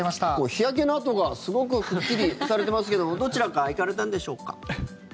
日焼けの痕がすごくくっきりされてますけどどちらか行かれたんでしょうか？